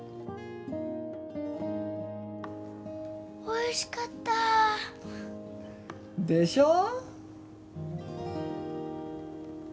おいしかった！でしょ？